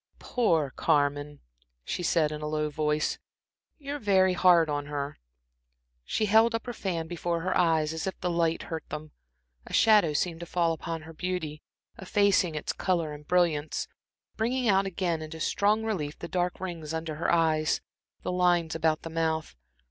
"Poor Carmen!" she said, in a low voice. "You're very hard on her." She held up her fan before her eyes, as if the light hurt them. A shadow seemed to fall upon her beauty, effacing its color and brilliance, bringing out again into strong relief the dark rings under the eyes, the lines about the mouth.